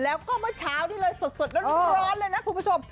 แล้วก็เมื่อเช้านี้เลยสดร้อนเลยนะคุณผู้ชม